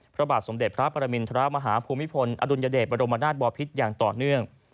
พระบาทสมเด็จพระปรมินทรมาฮาภูมิพลอดุลยเดชบรมนาศบอพิษอย่างต่อเนื่อง